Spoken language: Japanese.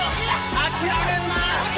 諦めんな！